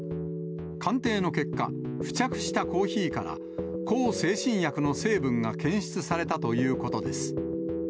鑑定の結果、付着したコーヒーから、向精神薬の成分が検出されたということです。